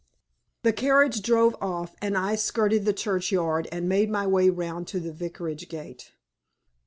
The carriage drove off, and I skirted the church yard, and made my way round to the Vicarage gate.